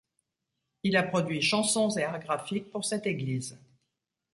Il a produit chansons et arts graphiques pour cette Église.